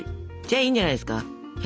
じゃあいいんじゃないですか。